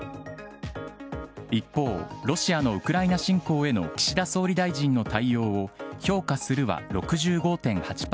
一方、ロシアのウクライナ侵攻への岸田総理大臣の対応を評価するは６５．８％。